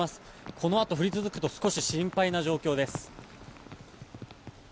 このあと降り続くと少し心配な状況です。